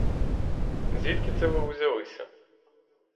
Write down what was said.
Звідки це ви узялися?